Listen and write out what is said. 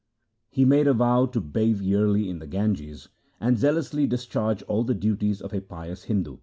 ' He made a vow to bathe yearly in the Ganges, and zealously discharge all the duties of a pious Hindu.